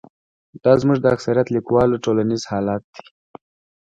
دا زموږ د اکثریت لیکوالو ټولیز حال دی.